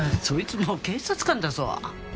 そいつも警察官だぞ。